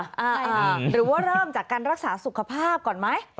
หรือว่าเริ่มจากการรักษาสุขภาพก่อนไหม